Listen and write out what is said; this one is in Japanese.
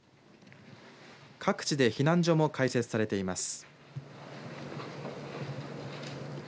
各地で避難所も開設されています。